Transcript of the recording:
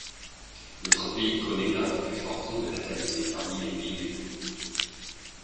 Notre pays connaît l’un des plus forts taux de natalité parmi les pays développés.